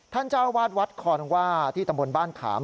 เจ้าวาดวัดคอนว่าที่ตำบลบ้านขาม